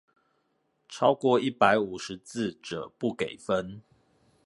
超過一百五十字者不給分